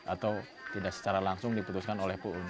atau tidak secara langsung diputuskan oleh pu